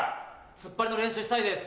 突っ張りの練習したいです。